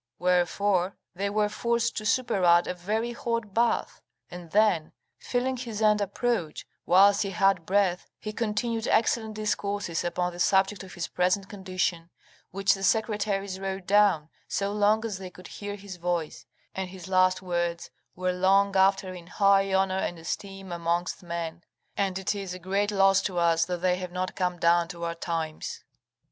Wherefore they were forced to superadd a very hot bath, and then, feeling his end approach, whilst he had breath he continued excellent discourses upon the subject of his present condition, which the secretaries wrote down so long as they could hear his voice, and his last words were long after in high honour and esteem amongst men, and it is a great loss to us that they have not come down to our times.